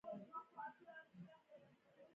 ټانکۍ ډکوي.